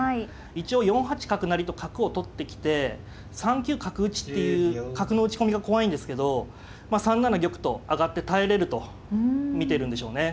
一応４八角成と角を取ってきて３九角打っていう角の打ち込みが怖いんですけど３七玉と上がって耐えれると見てるんでしょうね。